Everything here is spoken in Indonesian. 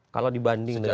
kalau dibandingkan dengan